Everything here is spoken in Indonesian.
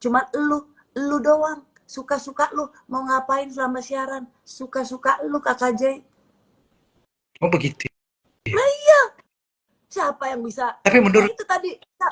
mau ngapain selama siaran suka suka lu kakak jai oh begitu ya siapa yang bisa tapi menurut tadi